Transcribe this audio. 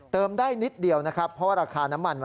เติมได้นิดเดียวนะคะเพราะราคาน้ำมัน